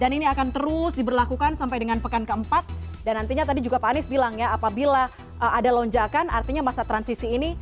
dan ini akan terus di berlakukan sampai dengan pekan keempat dan nantinya tadi juga pak anies bilang ya apabila ada lonjakan artinya masa transisi ini bisa stop bisa selesai